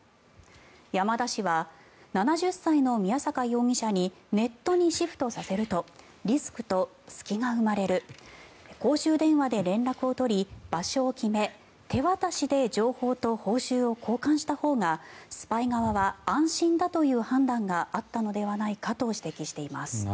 山田氏は、７０歳の宮坂容疑者にネットにシフトさせるとリスクと隙が生まれる公衆電話で連絡を取り場所を決め手渡しで情報と報酬を交換したほうがスパイ側は安心だという判断があったのではないかと指摘しています。